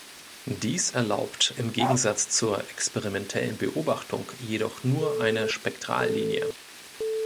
Dies erlaubt im Gegensatz zur experimentellen Beobachtung jedoch nur eine Spektrallinie.